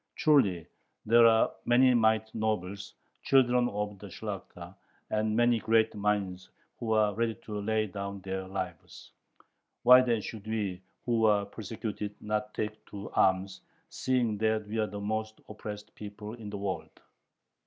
Truly, there are many mighty nobles, children of the Shlakhta, and many great minds who are ready to lay down their lives!... Why then should we who are persecuted not take to arms, seeing that we are the most oppressed people in the world!...